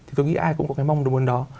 thì tôi nghĩ ai cũng có cái mong đồng hồn đó